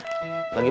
lagi masak air